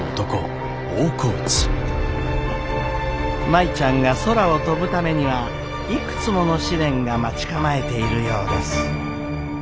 舞ちゃんが空を飛ぶためにはいくつもの試練が待ち構えているようです。